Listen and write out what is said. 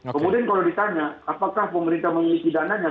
kemudian kalau ditanya apakah pemerintah memiliki dananya